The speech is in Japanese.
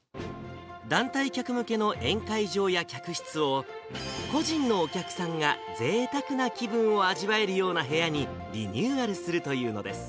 団体客向けの宴会場や客室を、個人のお客さんがぜいたくな気分を味わえるような部屋にリニューアルするというのです。